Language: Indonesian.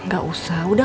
gak usah udah kamu deh